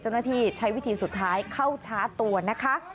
เจ้าหน้าที่ใช้วิธีสุดท้ายเข้าชาร์จตัวนะคะ